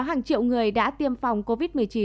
hàng triệu người đã tiêm phòng covid một mươi chín